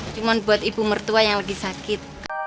cuma buat ibu mertua yang lagi sakit